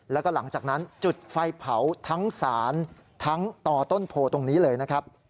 แล้วก็หลังจากนั้นจุดไฟเผาทั้งศาลทั้งต่อต้นโพตรงนี้เลยนะครับ